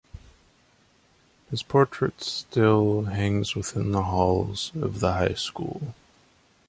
His portrait still hangs within the halls of the High School.